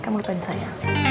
kamu lupain saya